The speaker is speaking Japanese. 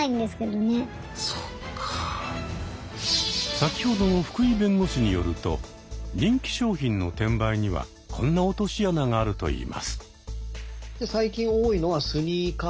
先ほどの福井弁護士によると人気商品の転売にはこんな落とし穴があるといいます。